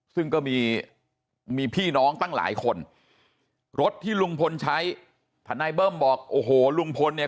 ซึ่งก็มีมีพี่น้องตั้งหลายคนรถที่ลุงพลใช้ทนายเบิ้มบอกโอ้โหลุงพลเนี่ย